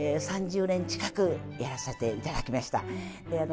３０年近くやらせて頂きました。